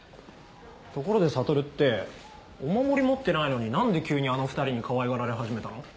ところで悟ってお守り持ってないのに何で急にあの２人にかわいがられ始めたの？